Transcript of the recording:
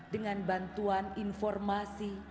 dengan bantuan informasi